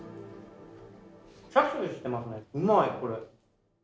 うまいこれ。